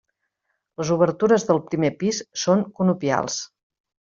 Les obertures del primer pis són conopials.